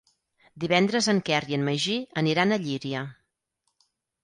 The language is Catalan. Divendres en Quer i en Magí aniran a Llíria.